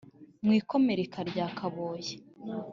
mu ikomereka rya kaboyi